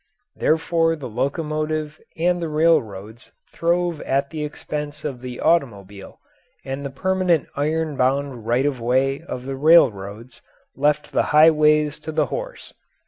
Therefore the locomotive and the railroads throve at the expense of the automobile, and the permanent iron bound right of way of the railroads left the highways to the horse.